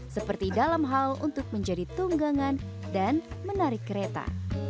seperti dalam hal untuk menjadi tunggangan dan menarik kereta